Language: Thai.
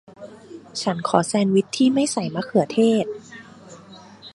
ฉันขอแซนด์วิชที่ไม่ใส่มะเขือเทศ